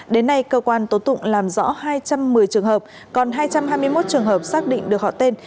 đến nay cơ quan tố tụng làm rõ hai trăm một mươi trường hợp còn hai trăm hai mươi một trường hợp xác định được họ tên